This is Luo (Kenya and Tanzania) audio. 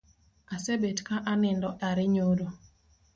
Asebet ka anindo are nyoro